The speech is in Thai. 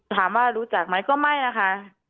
ถามว่ารู้จักไหมก็ไม่นะคะ